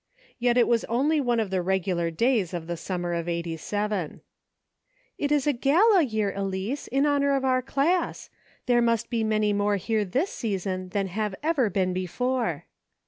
Yet it was only one of the regular days of the summer of '87. " It is a gala year, Elice, in honor of our class ; there must be many more here this season Ihan have ever been before."